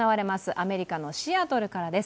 アメリカのシアトルからです。